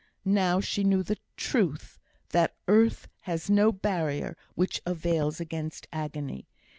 Now she knew the truth, that earth has no barrier which avails against agony.